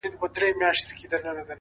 o غټي سترگي شينكى خال د چا د ياد؛